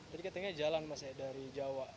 jadi katanya jalan mas ya dari jawa